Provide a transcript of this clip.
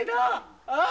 ああ？